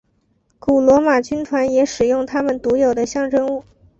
古罗马军团也使用他们独有的象征物。